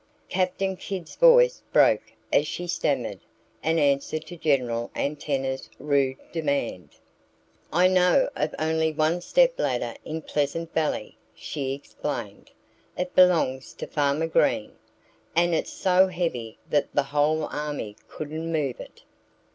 Captain Kidd's voice broke as she stammered an answer to General Antenna's rude demand. "I know of only one stepladder in Pleasant Valley," she explained. "It belongs to Farmer Green. And it's so heavy that the whole army couldn't move it."